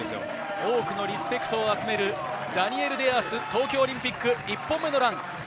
多くのリスペクトを集めるダニエル・デアース、東京オリンピック１本目のラン。